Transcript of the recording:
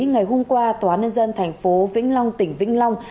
ngày hôm qua tòa nhân dân thành phố vĩnh long tỉnh vĩnh long